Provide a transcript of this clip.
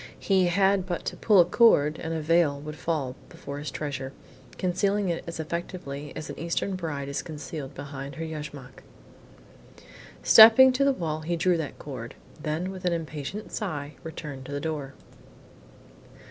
He had but to pull a cord and a veil would fall before his treasure, concealing it as effectually as an Eastern bride is concealed behind her yashmak. Stepping to the wall, he drew that cord, then with an impatient sigh, returned to the door.